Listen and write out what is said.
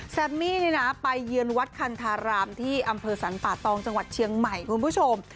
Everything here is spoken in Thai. แซมมี่นี่นะไปเยือนวัดคันธารามที่อำเภอสรรป่าตองจังหวัดเชียงใหม่คุณผู้ชม